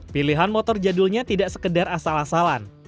pilihan motor jadulnya tidak sekedar asal asalan